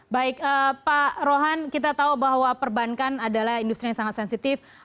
baik pak rohan kita tahu bahwa perbankan adalah industri yang sangat sensitif